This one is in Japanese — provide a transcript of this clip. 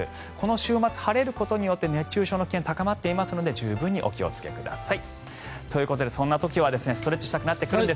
この週末晴れることによって熱中症の危険が高まっていますのでお気をつけください。